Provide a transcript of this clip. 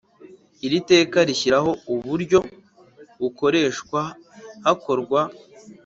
Iri teka rishyiraho uburyo bukoreshwa hakorwa